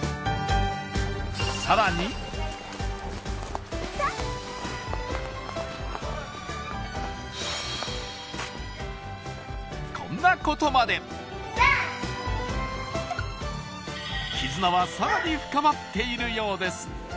さらにこんなことまで絆はさらに深まっているようです